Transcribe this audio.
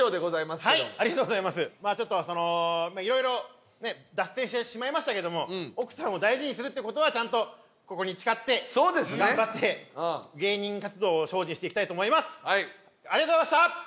まあちょっとそのいろいろね脱線してしまいましたけども奥さんを大事にするって事はちゃんとここに誓って頑張って芸人活動を精進していきたいと思います。